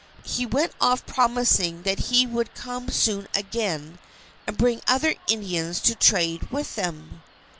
He went off promising that he would come soon again and bring other Indians to trade with them.